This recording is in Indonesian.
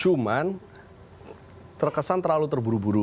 cuman terkesan terlalu terburu buru